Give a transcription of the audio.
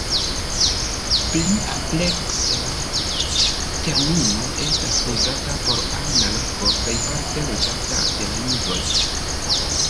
Pli amplekse ĉi termino estas uzata por ajna loko plejparte loĝata de la judoj.